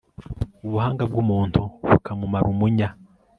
ubuhanga bw'umuntu bukamumara umunya